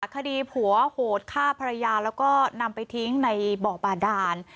คดีผัวโหดฆ่าภรรยาแล้วก็นำไปทิ้งในบ่อบาดาน